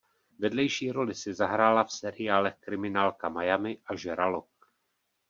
Vedlejší roli si zahrála v seriálech "Kriminálka Miami" a "Žralok".